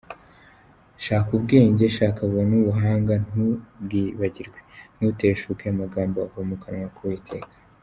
Shaka ubwenge shaka n'ubuhanga, ntubwibagirwe, ntuteshuke amagambo ava mu kanwa k'Uwiteka.